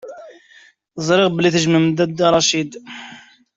Ẓriɣ belli tejjmem Dda Racid.